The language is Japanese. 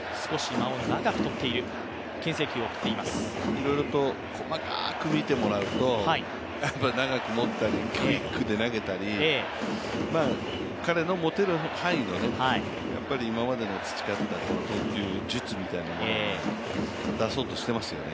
いろいろと細かく見てもらうとやっぱり長く持ったり、クイックで投げたり彼の持てる範囲の今までの培った投球術みたいなものを出そうとしていますよね。